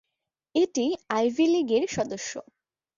এটি আইভি লীগের সদস্য।